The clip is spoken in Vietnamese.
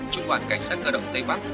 trung quan cảnh sát cơ động tây bắc